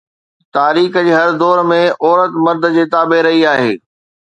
تاريخ جي هر دور ۾ عورت مرد جي تابع رهي آهي